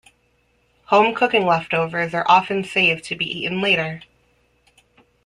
Home cooking leftovers are often saved to be eaten later.